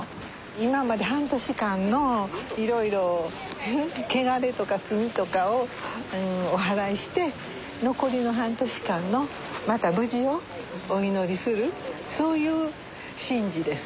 今まで半年間のいろいろ汚れとか罪とかをおはらいして残りの半年間のまた無事をお祈りするそういう神事です。